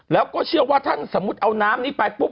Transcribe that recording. แล้วก็เชื่อว่าท่านสมมุติเอาน้ำนี้ไปปุ๊บ